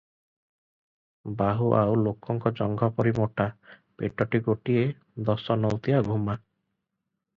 ବାହୁ ଆଉ ଲୋକଙ୍କ ଜଙ୍ଘ ପରି ମୋଟା, ପେଟଟି ଗୋଟିଏ ଦଶ ନୌତିଆ ଘୁମା ।